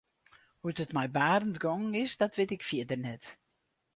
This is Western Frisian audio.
Hoe't it mei Barend gongen is dat wit ik fierder net.